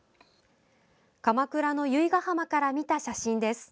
鎌倉の由比ヶ浜から見た写真です。